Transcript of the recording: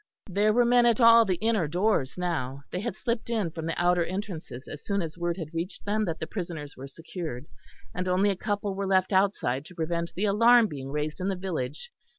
There were men at all the inner doors now; they had slipped in from the outer entrances as soon as word had reached them that the prisoners were secured, and only a couple were left outside to prevent the alarm being raised in the village.